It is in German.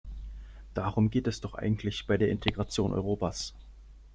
Darum geht es doch eigentlich bei der Integration Europas!